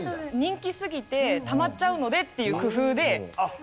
人気すぎてたまっちゃうのでっていう工夫で。